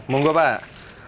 mau gue pak